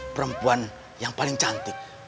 perempuan yang paling cantik